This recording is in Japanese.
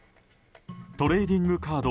トレーディングカード